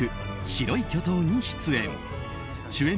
「白い巨塔」に出演。